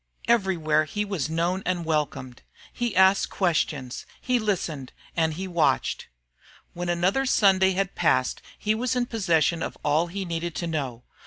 Everywhere he was known and welcomed. He asked questions, he listened, and he watched. When another Sunday had passed he was in possession of all he needed to know.